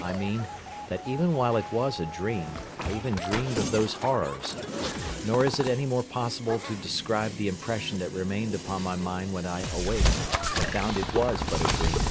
I mean, that even while it was a dream, I even dreamed of those horrors. Nor is it any more possible to describe the impression that remained upon my mind when I awaked, and found it was but a dream.